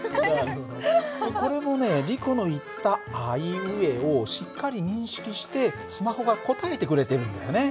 すごい。これもねリコの言った「あいうえお」をしっかり認識してスマホが答えてくれてるんだよね。